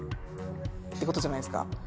ってことじゃないですか。